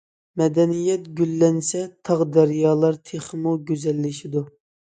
مەدەنىيەت گۈللەنسە، تاغ- دەريالار تېخىمۇ گۈزەللىشىدۇ.